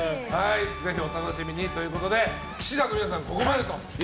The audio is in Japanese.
ぜひお楽しみにということで氣志團の皆さんはここまでです。